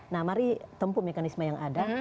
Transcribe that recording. nah mari tempuh mekanisme yang ada